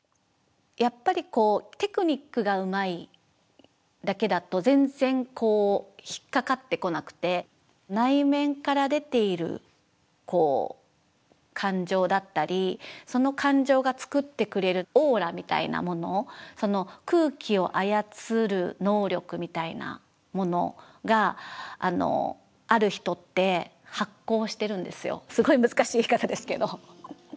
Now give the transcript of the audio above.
やっぱりテクニックがうまいだけだと全然こう引っかかってこなくて内面から出ているこう感情だったりその感情が作ってくれるオーラみたいなものすごい難しい言い方ですけど。